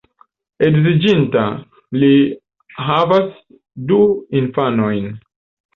Edziĝinta, li havas du infanojn.